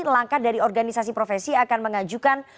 langkah dari organisasi profesi akan mengajukan